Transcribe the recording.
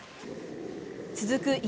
続く